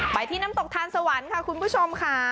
ไปที่น้ำตกทานสวรรค์ค่ะคุณผู้ชมค่ะ